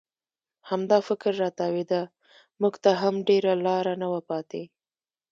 همدا فکر را تاوېده، موږ ته هم ډېره لاره نه وه پاتې.